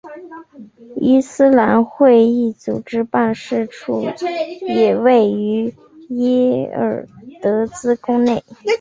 伊斯兰会议组织办事处也位于耶尔德兹宫内。